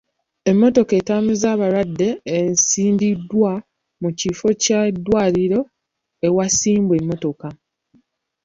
Emmotoka etambuza abalwadde esimbiddwa mu kifo ky'eddwaliro awasimba emmotoka.